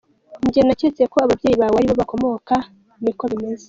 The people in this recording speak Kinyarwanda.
Njye naketse ko ababyeyi bawe ariho bakomoko, niko bimeze?.